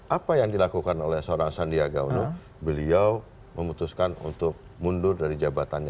apa yang dilakukan oleh seorang sandiaga uno beliau memutuskan untuk mundur dari jabatannya